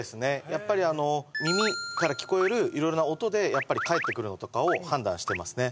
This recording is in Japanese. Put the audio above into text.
やっぱりあの耳から聞こえる色々な音で帰ってくるのとかを判断してますね